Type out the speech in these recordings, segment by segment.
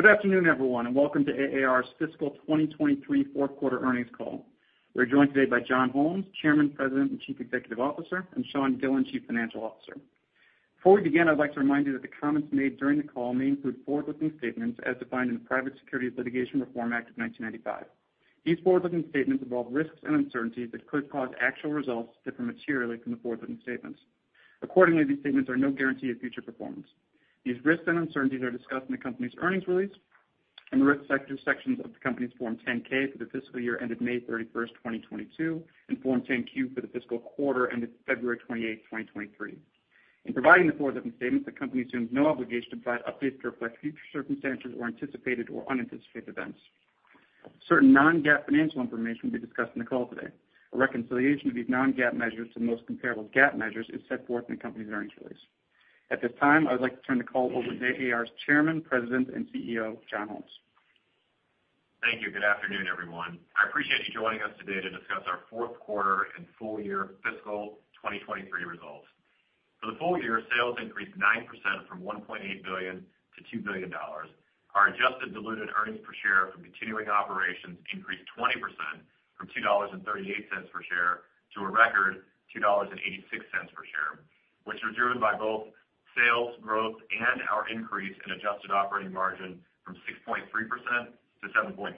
Good afternoon, everyone, and welcome to AAR's fiscal 2023 fourth quarter earnings call. We're joined today by John Holmes, Chairman, President, and Chief Executive Officer, and Sean Gillen, Chief Financial Officer. Before we begin, I'd like to remind you that the comments made during the call may include forward-looking statements as defined in the Private Securities Litigation Reform Act of 1995. These forward-looking statements involve risks and uncertainties that could cause actual results to differ materially from the forward-looking statements. Accordingly, these statements are no guarantee of future performance. These risks and uncertainties are discussed in the company's earnings release and the risk sections of the company's Form 10-K for the fiscal year ended May 31st, 2022, and Form 10-Q for the fiscal quarter ended February 28th, 2023. In providing the forward-looking statements, the company assumes no obligation to provide updates to reflect future circumstances or anticipated or unanticipated events. Certain non-GAAP financial information will be discussed in the call today. A reconciliation of these non-GAAP measures to the most comparable GAAP measures is set forth in the company's earnings release. At this time, I would like to turn the call over to AAR's Chairman, President, and CEO, John Holmes. Thank you. Good afternoon, everyone. I appreciate you joining us today to discuss our fourth quarter and full year fiscal 2023 results. For the full year, sales increased 9% from $1.8 billion to $2 billion. Our adjusted diluted earnings per share from continuing operations increased 20% from $2.38 per share to a record $2.86 per share, which was driven by both sales growth and our increase in adjusted operating margin from 6.3% to 7.5%.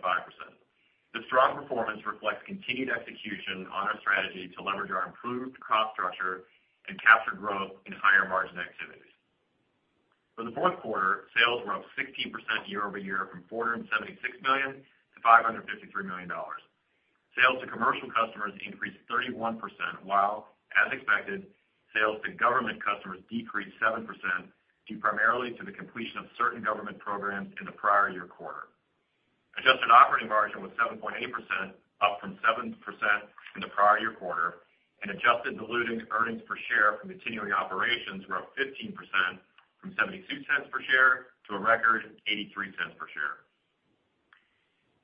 This strong performance reflects continued execution on our strategy to leverage our improved cost structure and capture growth in higher margin activities. For the fourth quarter, sales were up 16% year-over-year from $476 million to $553 million. Sales to commercial customers increased 31%, while, as expected, sales to government customers decreased 7%, due primarily to the completion of certain government programs in the prior year quarter. Adjusted operating margin was 7.8%, up from 7% in the prior year quarter, and adjusted diluted earnings per share from continuing operations were up 15% from $0.72 per share to a record $0.83 per share.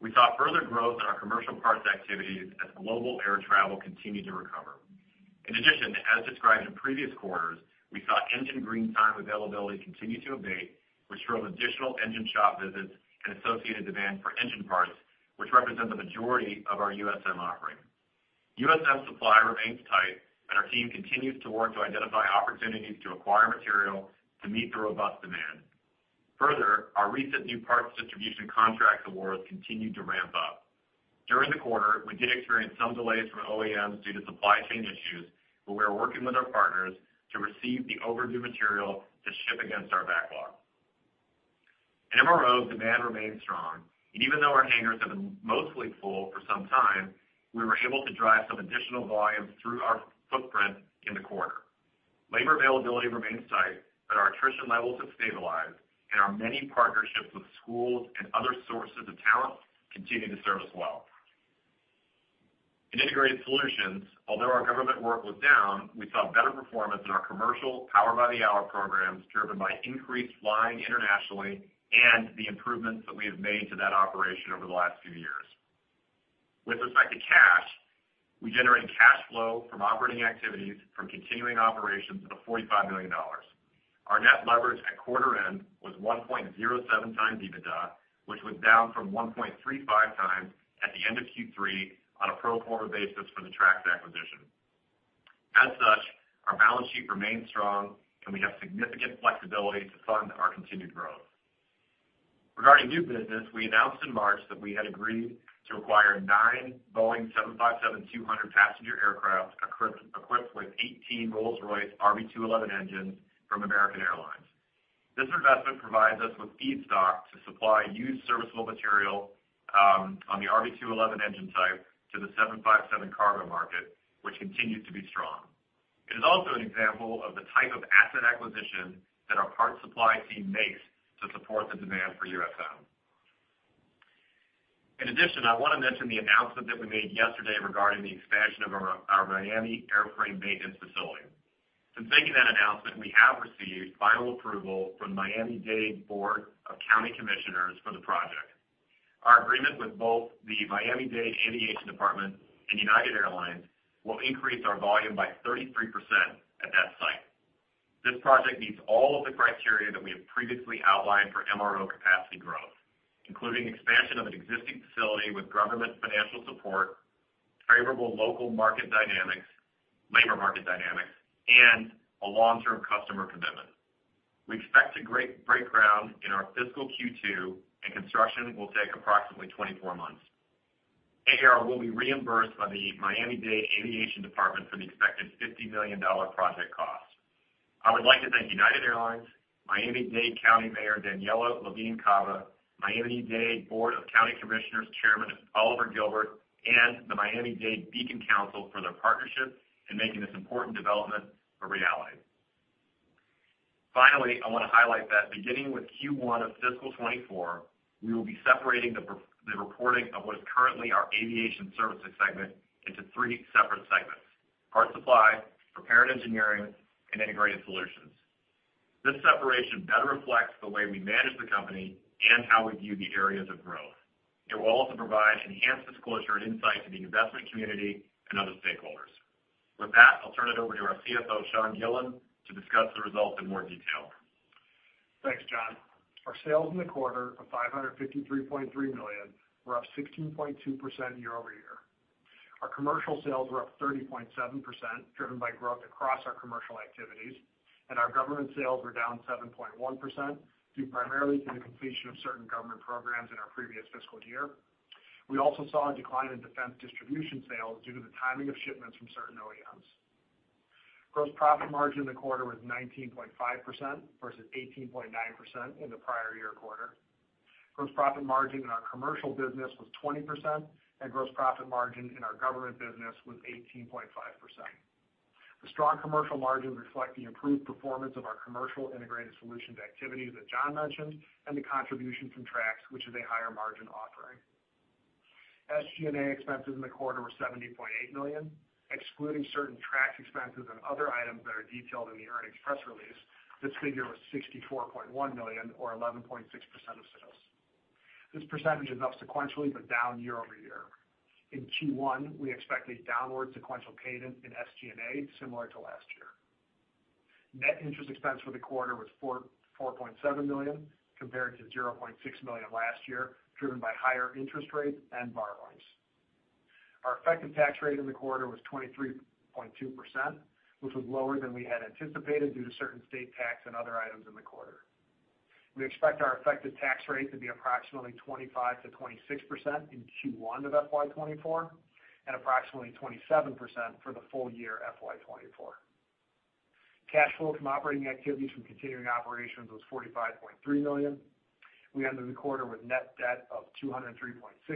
We saw further growth in our commercial parts activities as global air travel continued to recover. In addition, as described in previous quarters, we saw engine green time availability continue to abate, which drove additional engine shop visits and associated demand for engine parts, which represent the majority of our USM offering. USM supply remains tight, and our team continues to work to identify opportunities to acquire material to meet the robust demand. Further, our recent new parts distribution contract awards continued to ramp up. During the quarter, we did experience some delays from OEMs due to supply chain issues, but we are working with our partners to receive the overdue material to ship against our backlog. MRO demand remained strong, and even though our hangars have been mostly full for some time, we were able to drive some additional volume through our footprint in the quarter. Labor availability remains tight, but our attrition levels have stabilized, and our many partnerships with schools and other sources of talent continue to serve us well. In integrated solutions, although our government work was down, we saw better performance in our commercial Powered-by-the-Hour programs, driven by increased flying internationally and the improvements that we have made to that operation over the last few years. With respect to cash, we generated cash flow from operating activities from continuing operations of $45 million. Our net leverage at quarter end was 1.07 times EBITDA, which was down from 1.35 times at the end of Q3 on a pro forma basis for the TRAX acquisition. Our balance sheet remains strong, and we have significant flexibility to fund our continued growth. Regarding new business, we announced in March that we had agreed to acquire 9 Boeing 757-200 passenger aircraft equipped with 18 Rolls-Royce RB211 engines from American Airlines. This investment provides us with feedstock to supply used serviceable material on the RB211 engine type to the 757 cargo market, which continues to be strong. It is also an example of the type of asset acquisition that our parts supply team makes to support the demand for USM. In addition, I want to mention the announcement that we made yesterday regarding the expansion of our Miami airframe maintenance facility. Since making that announcement, we have received final approval from the Miami-Dade Board of County Commissioners for the project. Our agreement with both the Miami-Dade Aviation Department and United Airlines will increase our volume by 33% at that site. This project meets all of the criteria that we have previously outlined for MRO capacity growth, including expansion of an existing facility with government financial support, favorable local market dynamics, labor market dynamics, and a long-term customer commitment. We expect to break ground in our fiscal Q2, and construction will take approximately 24 months. AAR will be reimbursed by the Miami-Dade Aviation Department for the expected $50 million project cost. I would like to thank United Airlines, Miami-Dade County Mayor Daniella Levine Cava, Miami-Dade Board of County Commissioners Chairman Oliver Gilbert, and The Miami-Dade Beacon Council for their partnership in making this important development a reality. Finally, I want to highlight that beginning with Q1 of FY'24, we will be separating the reporting of what is currently our aviation services segment into three separate segments: parts supply, repair and engineering, and integrated solutions. This separation better reflects the way we manage the company and how we view the areas of growth. It will also provide enhanced disclosure and insight to the investment community and other stakeholders. With that, I'll turn it over to our CFO, Sean Gillen, to discuss the results in more detail. Thanks, John. Our sales in the quarter of $553.3 million were up 16.2% year-over-year. Our commercial sales were up 30.7%, driven by growth across our commercial activities, and our government sales were down 7.1%, due primarily to the completion of certain government programs in our previous fiscal year. We also saw a decline in defense distribution sales due to the timing of shipments from certain OEMs. Gross profit margin in the quarter was 19.5% versus 18.9% in the prior year quarter. Gross profit margin in our commercial business was 20%, and gross profit margin in our government business was 18.5%. The strong commercial margins reflect the improved performance of our commercial integrated solutions activities that John mentioned, and the contribution from Trax, which is a higher margin offering. SG&A expenses in the quarter were $70.8 million, excluding certain Trax expenses and other items that are detailed in the earnings press release. This figure was $64.1 million, or 11.6% of sales. This percentage is up sequentially, but down year-over-year. In Q1, we expect a downward sequential cadence in SG&A, similar to last year. Net interest expense for the quarter was $4.7 million, compared to $0.6 million last year, driven by higher interest rates and borrowings. Our effective tax rate in the quarter was 23.2%, which was lower than we had anticipated due to certain state tax and other items in the quarter. We expect our effective tax rate to be approximately 25%-26% in Q1 of FY'24, and approximately 27% for the full year FY'24. Cash flow from operating activities from continuing operations was $45.3 million. We ended the quarter with net debt of $203.6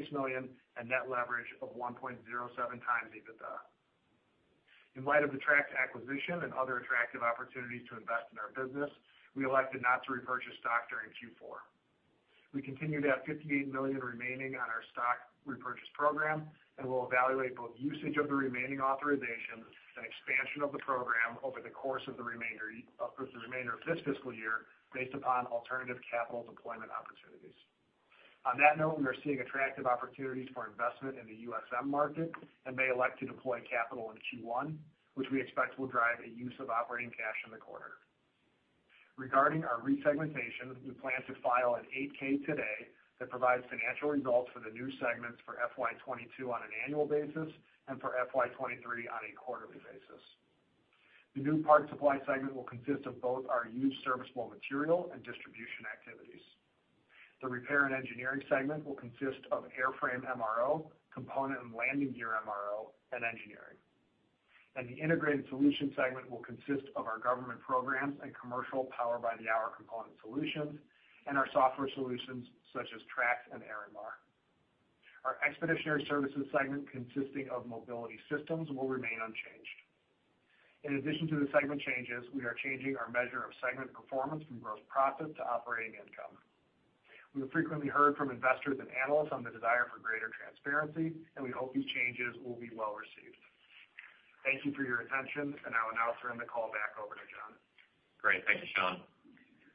million, and net leverage of 1.07 times EBITDA. In light of the Trax acquisition and other attractive opportunities to invest in our business, we elected not to repurchase stock during Q4. We continue to have $58 million remaining on our stock repurchase program, and we'll evaluate both usage of the remaining authorizations and expansion of the program over the course of the remainder of this fiscal year, based upon alternative capital deployment opportunities. On that note, we are seeing attractive opportunities for investment in the USM market and may elect to deploy capital in Q1, which we expect will drive a use of operating cash in the quarter. Regarding our resegmentation, we plan to file an 8-K today that provides financial results for the new segments for FY'22 on an annual basis and for FY'23 on a quarterly basis. The new part supply segment will consist of both our used serviceable material and distribution activities. The repair and engineering segment will consist of airframe MRO, component and landing gear MRO, and engineering. The integrated solution segment will consist of our government programs and commercial Powered-by-the-Hour component solutions, and our software solutions, such as Trax and Airinmar. Our expeditionary services segment, consisting of mobility systems, will remain unchanged. In addition to the segment changes, we are changing our measure of segment performance from gross profit to operating income. We have frequently heard from investors and analysts on the desire for greater transparency. We hope these changes will be well received. Thank you for your attention. I will now turn the call back over to John. Great. Thank you, Sean.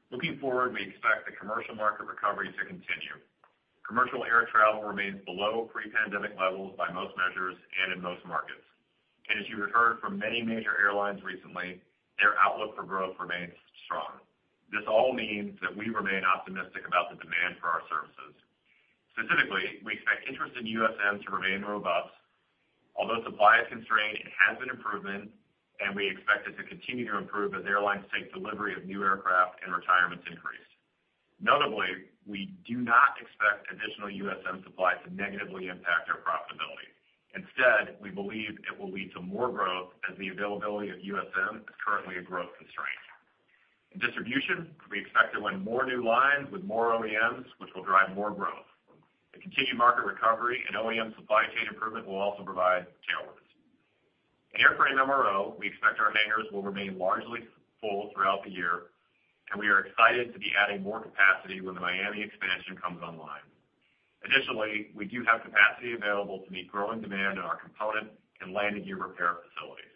Looking forward, we expect the commercial market recovery to continue. Commercial air travel remains below pre-pandemic levels by most measures and in most markets. As you have heard from many major airlines recently, their outlook for growth remains strong. This all means that we remain optimistic about the demand for our services. Specifically, we expect interest in USM to remain robust. Although supply is constrained, it has been improving, and we expect it to continue to improve as airlines take delivery of new aircraft and retirements increase. Notably, we do not expect additional USM supply to negatively impact our profitability. Instead, we believe it will lead to more growth as the availability of USM is currently a growth constraint. In distribution, we expect to win more new lines with more OEMs, which will drive more growth. The continued market recovery and OEM supply chain improvement will also provide tailwinds. In airframe MRO, we expect our hangars will remain largely full throughout the year, and we are excited to be adding more capacity when the Miami expansion comes online. Additionally, we do have capacity available to meet growing demand in our component and landing gear repair facilities.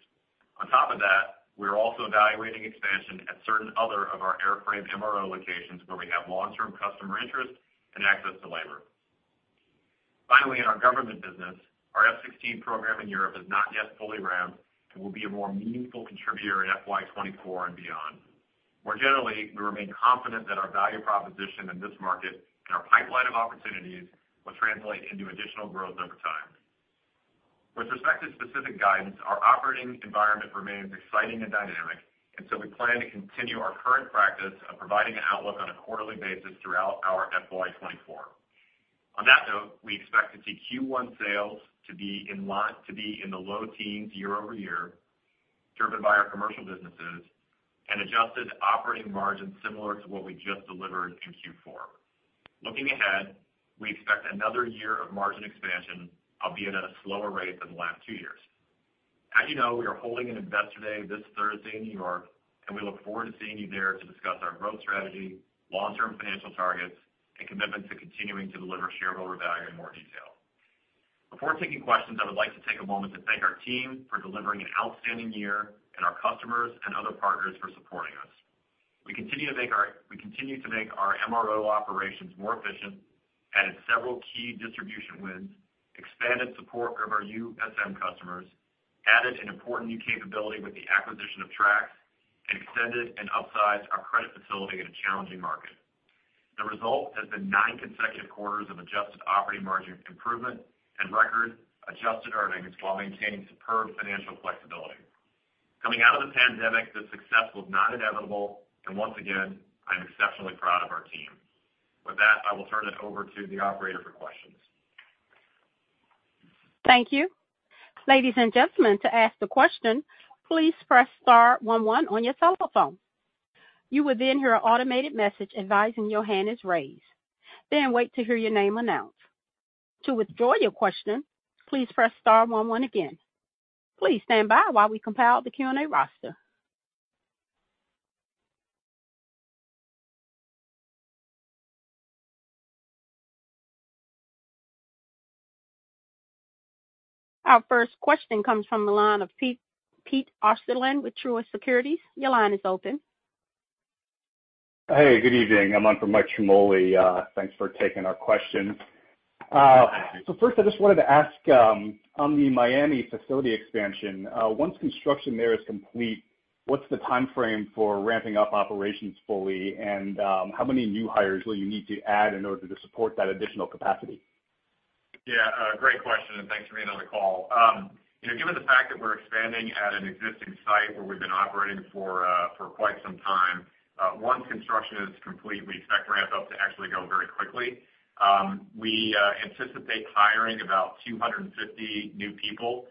On top of that, we are also evaluating expansion at certain other of our airframe MRO locations where we have long-term customer interest and access to labor. Finally, in our government business, our F-16 program in Europe is not yet fully ramped and will be a more meaningful contributor in FY'24 and beyond. More generally, we remain confident that our value proposition in this market and our pipeline of opportunities will translate into additional growth over time. With respect to specific guidance, our operating environment remains exciting and dynamic, and so we plan to continue our current practice of providing an outlook on a quarterly basis throughout our FY'24. On that note, we expect to see Q1 sales to be in the low teens year-over-year, driven by our commercial businesses, and adjusted operating margins similar to what we just delivered in Q4. Looking ahead, we expect another year of margin expansion, albeit at a slower rate than the last 2 years. As you know, we are holding an investor day this Thursday in New York, and we look forward to seeing you there to discuss our growth strategy, long-term financial targets, and commitment to continuing to deliver shareholder value in more detail. Before taking questions, I would like to take a moment to thank our team for delivering an outstanding year, and our customers and other partners for supporting us. We continue to make our MRO operations more efficient, added several key distribution wins, expanded support of our USM customers, added an important new capability with the acquisition of Trax, and extended and upsized our credit facility in a challenging market. The result has been nine consecutive quarters of adjusted operating margin improvement and record adjusted earnings, while maintaining superb financial flexibility. Coming out of the pandemic, this success was not inevitable. Once again, I'm exceptionally proud of our team. With that, I will turn it over to the operator for questions. Thank you. Ladies and gentlemen, to ask the question, please press star one one on your telephone. You will then hear an automated message advising your hand is raised, then wait to hear your name announced. To withdraw your question, please press star one one again. Please stand by while we compile the Q&A roster. Our first question comes from the line of Pete, Peter Osterland with Truist Securities. Your line is open. Hey, good evening. I'm on for Michael Ciarmoli. Thanks for taking our question. First, I just wanted to ask, on the Miami facility expansion, once construction there is complete, what's the timeframe for ramping up operations fully? How many new hires will you need to add in order to support that additional capacity? Yeah, great question, and thanks for being on the call. You know, given the fact that we're expanding at an existing site where we've been operating for quite some time, once construction is complete, we expect ramp up to actually go very quickly. We anticipate hiring about 250 new people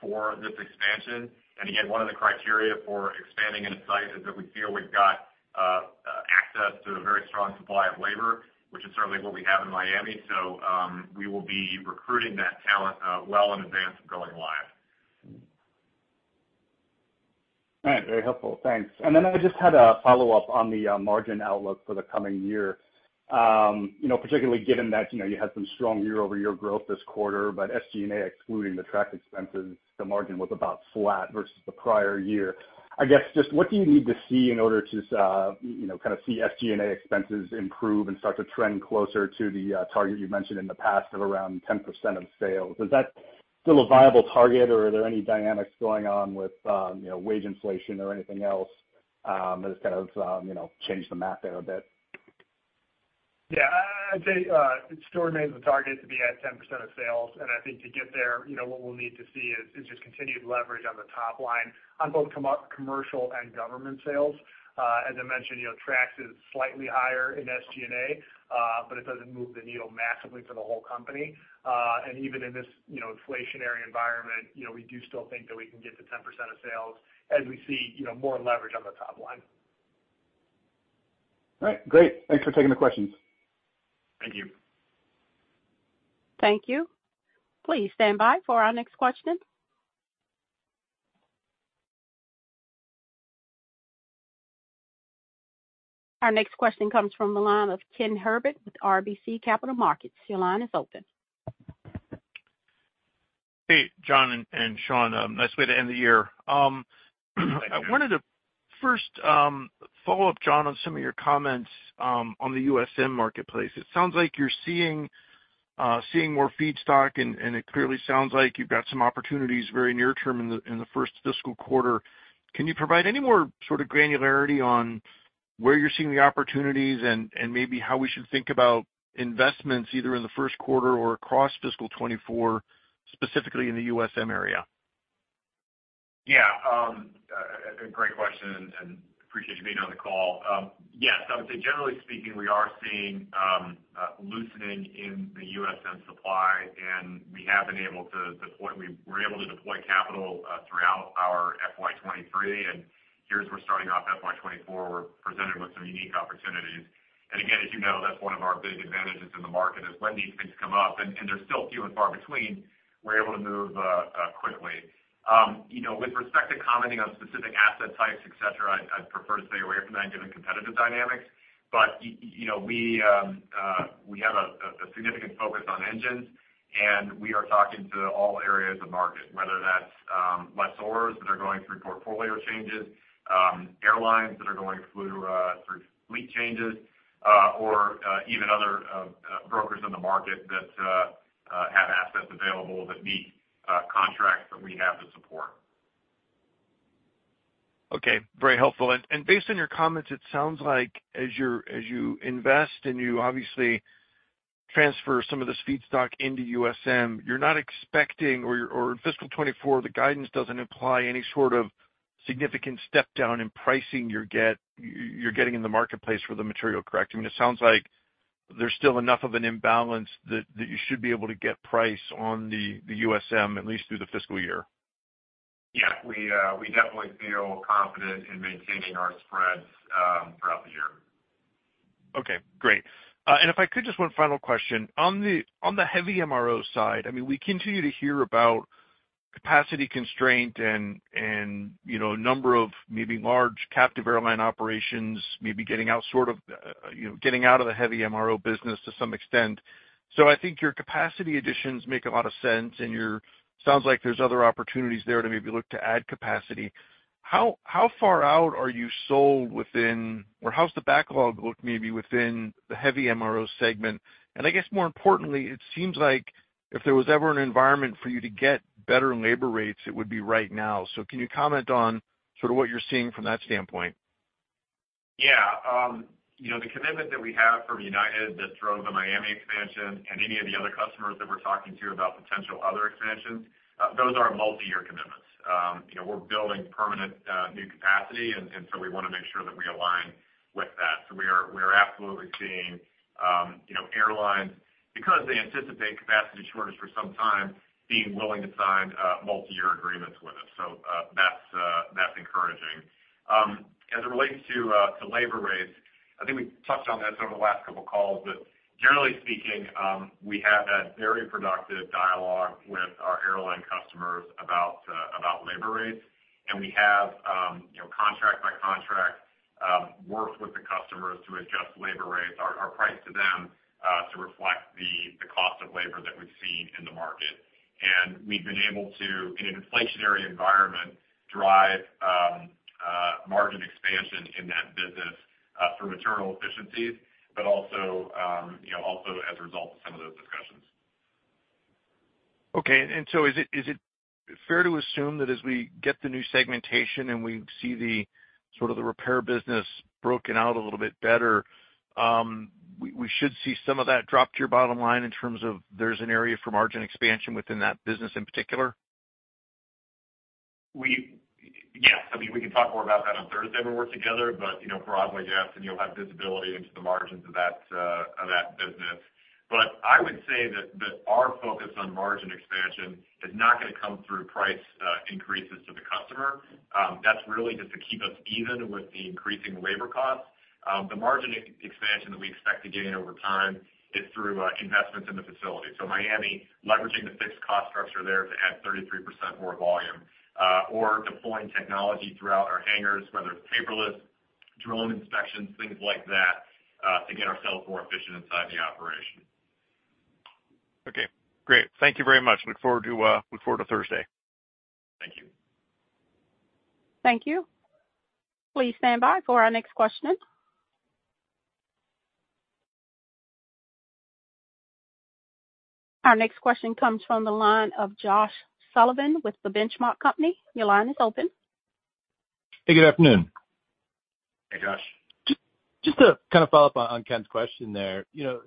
for this expansion. Again, one of the criteria for expanding in a site is that we feel we've got access to a very strong supply of labor, which is certainly what we have in Miami. We will be recruiting that talent well in advance of going live. All right. Very helpful. Thanks. I just had a follow-up on the margin outlook for the coming year. you know, particularly given that, you know, you had some strong year-over-year growth this quarter, but SG&A, excluding the Trax expenses, the margin was about flat versus the prior year. I guess, just what do you need to see in order to, you know, kind of see SG&A expenses improve and start to trend closer to the target you mentioned in the past of around 10% of sales? Is that still a viable target, or are there any dynamics going on with, you know, wage inflation or anything else, that has kind of, you know, changed the map there a bit? Yeah, I'd say it still remains the target to be at 10% of sales. I think to get there, you know, what we'll need to see is just continued leverage on the top line on both commercial and government sales. As I mentioned, you know, Trax is slightly higher in SG&A, but it doesn't move the needle massively for the whole company. Even in this, you know, inflationary environment, you know, we do still think that we can get to 10% of sales as we see, you know, more leverage on the top line. All right, great. Thanks for taking the questions. Thank you. Thank you. Please stand by for our next question. Our next question comes from the line of Kenneth Herbert with RBC Capital Markets. Your line is open. Hey, John and Sean, nice way to end the year. I wanted to first follow up, John, on some of your comments on the USM marketplace. It sounds like you're seeing more feedstock, and it clearly sounds like you've got some opportunities very near term in the first fiscal quarter. Can you provide any more sort of granularity on where you're seeing the opportunities and maybe how we should think about investments either in the first quarter or across fiscal 24, specifically in the USM area? Yeah, a great question, and appreciate you being on the call. Yes, I would say generally speaking, we are seeing loosening in the USM supply, and we're able to deploy capital throughout our FY'23, and here as we're starting off FY'24, we're presented with some unique opportunities. Again, as you know, that's one of our big advantages in the market, is when these things come up, and they're still few and far between, we're able to move quickly. You know, with respect to commenting on specific asset types, et cetera, I'd prefer to stay away from that given competitive dynamics. you know, we have a significant focus on engines, and we are talking to all areas of market, whether that's lessors that are going through portfolio changes, airlines that are going through fleet changes, or even other brokers in the market that have assets available that meet contracts that we have to support. Okay, very helpful. Based on your comments, it sounds like as you invest and you obviously transfer some of this feedstock into USM, you're not expecting or in FY'24, the guidance doesn't imply any sort of significant step down in pricing you're getting in the marketplace for the material, correct? I mean, it sounds like there's still enough of an imbalance that you should be able to get price on the USM, at least through the fiscal year. We definitely feel confident in maintaining our spreads throughout the year. Okay, great. If I could, just one final question. On the, on the heavy MRO side, I mean, we continue to hear about capacity constraint and, you know, a number of maybe large captive airline operations maybe getting out, you know, getting out of the heavy MRO business to some extent. I think your capacity additions make a lot of sense, sounds like there's other opportunities there to maybe look to add capacity... How, how far out are you sold within, or how's the backlog look maybe within the heavy MRO segment? I guess more importantly, it seems like if there was ever an environment for you to get better labor rates, it would be right now. Can you comment on sort of what you're seeing from that standpoint? Yeah. You know, the commitment that we have from United that drove the Miami expansion and any of the other customers that we're talking to about potential other expansions, those are multiyear commitments. You know, we're building permanent new capacity, and so we wanna make sure that we align with that. We are, we are absolutely seeing, you know, airlines, because they anticipate capacity shortage for some time, being willing to sign multiyear agreements with us. That's that's encouraging. As it relates to labor rates, I think we've touched on this over the last couple of calls, but generally speaking, we have had very productive dialogue with our airline customers about labor rates. We have, you know, contract by contract, worked with the customers to adjust labor rates, our price to them, to reflect the cost of labor that we've seen in the market. We've been able to, in an inflationary environment, drive margin expansion in that business through internal efficiencies, but also, you know, also as a result of some of those discussions. Is it fair to assume that as we get the new segmentation and we see the sort of the repair business broken out a little bit better, we should see some of that drop to your bottom line in terms of there's an area for margin expansion within that business in particular? Yes, I mean, we can talk more about that on Thursday when we're together. You know, broadly, yes, and you'll have visibility into the margins of that business. I would say that our focus on margin expansion is not gonna come through price increases to the customer. That's really just to keep us even with the increasing labor costs. The margin expansion that we expect to gain over time is through investments in the facility. Miami, leveraging the fixed cost structure there to add 33% more volume, or deploying technology throughout our hangars, whether it's paperless, drone inspections, things like that, to get ourselves more efficient inside the operation. Okay, great. Thank you very much. Look forward to, look forward to Thursday. Thank you. Thank you. Please stand by for our next question. Our next question comes from the line of Josh Sullivan with The Benchmark Company. Your line is open. Hey, good afternoon. Hey, Josh. Just to kind of follow up on Ken's question there. You know,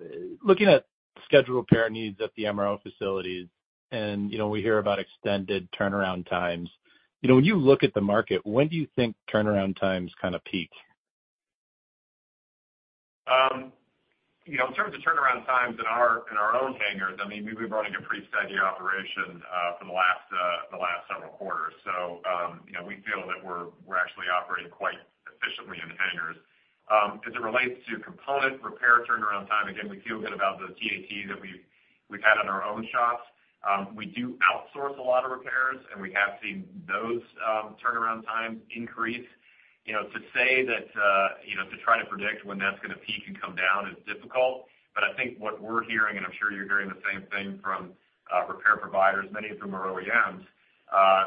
looking at scheduled repair needs at the MRO facilities, and, you know, we hear about extended turnaround times. You know, when you look at the market, when do you think turnaround times kind of peak? You know, in terms of turnaround times in our, in our own hangars, I mean, we've running a pretty steady operation for the last several quarters. You know, we feel that we're actually operating quite efficiently in the hangars. As it relates to component repair turnaround time, again, we feel good about the TAT that we've had on our own shops. We do outsource a lot of repairs, and we have seen those turnaround times increase. You know, to say that, you know, to try to predict when that's gonna peak and come down is difficult. I think what we're hearing, and I'm sure you're hearing the same thing from repair providers, many of whom are OEMs,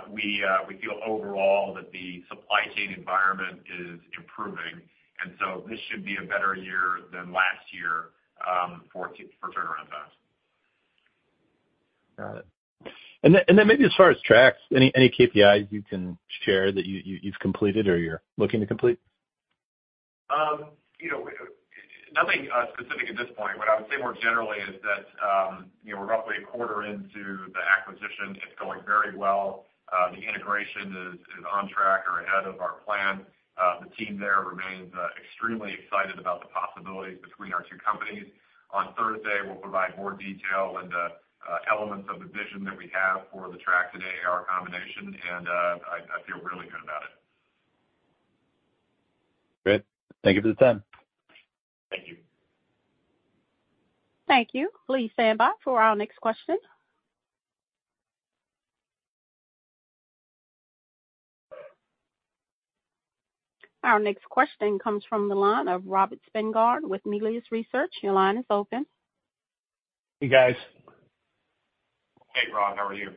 we feel overall that the supply chain environment is improving, and so this should be a better year than last year, for turnaround times. Got it. Then maybe as far as Trax, any KPIs you can share that you've completed or you're looking to complete? You know, nothing specific at this point. What I would say more generally is that, you know, we're roughly a quarter into the acquisition. It's going very well. The integration is on track or ahead of our plan. The team there remains extremely excited about the possibilities between our two companies. On Thursday, we'll provide more detail and elements of the vision that we have for the Trax and AR combination, and I feel really good about it. Great. Thank you for the time. Thank you. Thank you. Please stand by for our next question. Our next question comes from the line of Robert Spingarn with Melius Research. Your line is open. Hey, guys. Hey, Rob. How are you?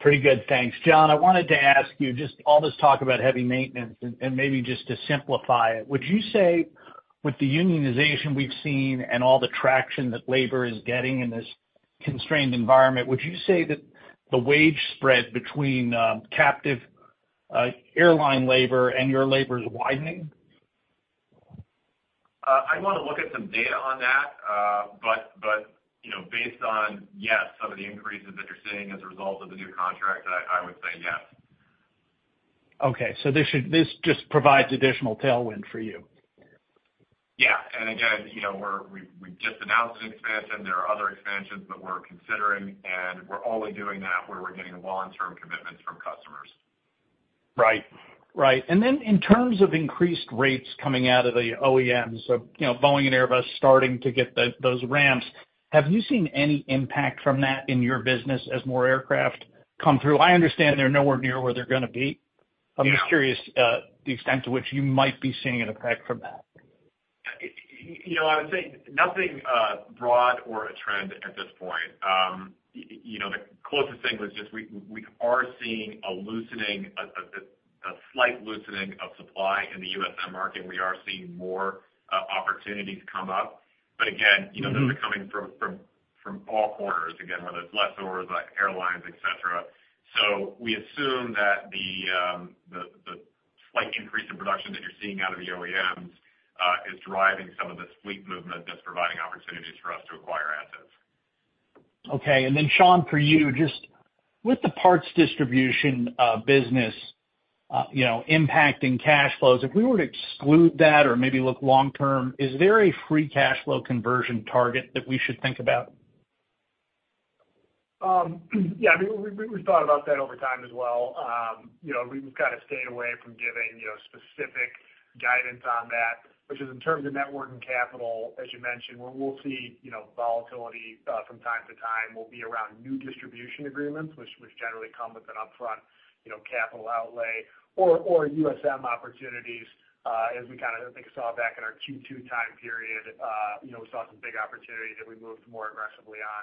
Pretty good, thanks. John, I wanted to ask you, just all this talk about heavy maintenance and maybe just to simplify it, would you say with the unionization we've seen and all the traction that labor is getting in this constrained environment, would you say that the wage spread between captive airline labor and your labor is widening? I'd wanna look at some data on that. You know, based on, yes, some of the increases that you're seeing as a result of the new contracts, I would say yes. Okay, this just provides additional tailwind for you? Yeah. Again, you know, we've just announced an expansion. There are other expansions that we're considering, and we're only doing that where we're getting long-term commitments from customers. Right. Right. Then in terms of increased rates coming out of the OEMs, so, you know, Boeing and Airbus starting to get those ramps, have you seen any impact from that in your business as more aircraft come through? I understand they're nowhere near where they're gonna be. Yeah. I'm just curious, the extent to which you might be seeing an effect from that. You know, I would say nothing broad or a trend at this point. You know, the closest thing was just we are seeing a loosening, a slight loosening of supply in the USM market. We are seeing more opportunities come up. Again, you know, those are coming from all corners, again, whether it's lessors, like airlines, et cetera. We assume that the slight increase in production that you're seeing out of the OEMs is driving some of this fleet movement that's providing opportunities for us to acquire assets. Okay. Sean, for you, just with the parts distribution business, you know, impacting cash flows, if we were to exclude that or maybe look long term, is there a free cash flow conversion target that we should think about? Yeah, I mean, we thought about that over time as well. You know, we've kind of stayed away from giving, you know, specific guidance on that, which is in terms of net working capital, as you mentioned, where we'll see, you know, volatility from time to time will be around new distribution agreements, which generally come with an upfront, you know, capital outlay or USM opportunities, as we kind of, I think, saw back in our Q2 time period. You know, we saw some big opportunities that we moved more aggressively on.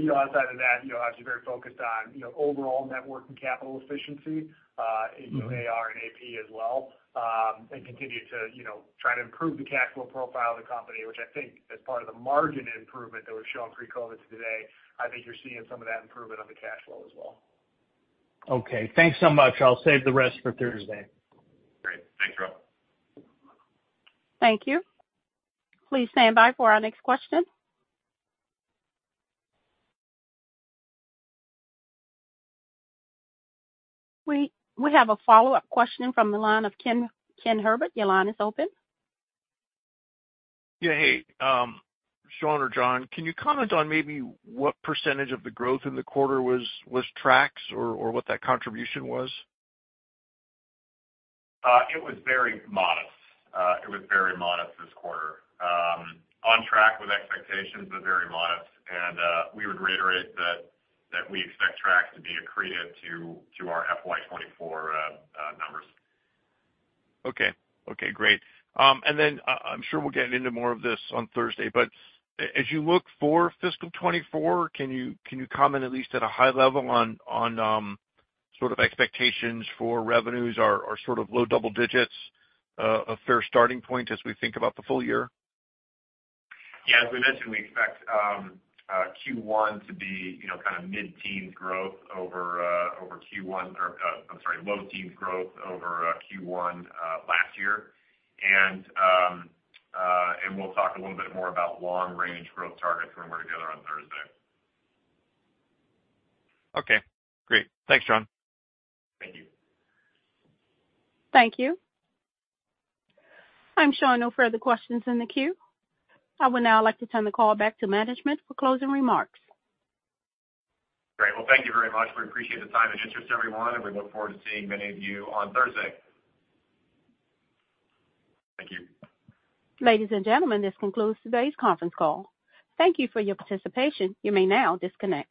You know, outside of that, you know, obviously very focused on, you know, overall net working capital efficiency. Mm-hmm. including AR and AP as well, and continue to, you know, try to improve the cash flow profile of the company, which I think is part of the margin improvement that we're showing pre-COVID to today. I think you're seeing some of that improvement on the cash flow as well. Okay, thanks so much. I'll save the rest for Thursday. Great. Thanks, Rob. Thank you. Please stand by for our next question. We have a follow-up question from the line of Kenneth Herbert. Your line is open. Yeah, hey, Sean or John, can you comment on maybe what % of the growth in the quarter was Trax or what that contribution was? It was very modest. It was very modest this quarter. On track with expectations, but very modest. We would reiterate that we expect Trax to be accretive to our FY '24 numbers. Okay. Okay, great. Then I'm sure we'll get into more of this on Thursday, as you look for fiscal '24, can you comment at least at a high level on sort of expectations for revenues or sort of low double digits, a fair starting point as we think about the full year? Yeah, as we mentioned, we expect Q1 to be, you know, kind of mid-teens growth over Q1 or I'm sorry, low teens growth over Q1 last year. We'll talk a little bit more about long range growth targets when we're together on Thursday. Okay, great. Thanks, John. Thank you. Thank you. I'm showing no further questions in the queue. I would now like to turn the call back to management for closing remarks. Great. Thank you very much. We appreciate the time and interest, everyone, and we look forward to seeing many of you on Thursday. Thank you. Ladies and gentlemen, this concludes today's conference call. Thank you for your participation. You may now disconnect.